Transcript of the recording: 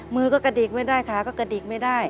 มือก็กระดิกไม่ได้ขาก็กระดิกไม่ได้